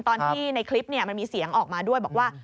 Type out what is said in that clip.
ตอนที่ในคลิปมันมีเสียงออกมาด้วยบอกว่า